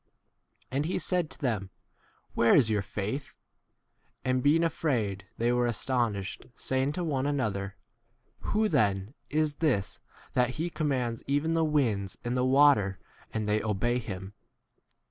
25 And he said to them, Where is your faith ? And, being afraid, they were astonished, saying to one another, Who then is this, that he commands even the winds and the water, and they obey him?